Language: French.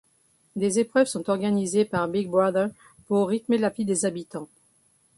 Des épreuves sont organisés par Big Brother pour rythmer la vie des habitants.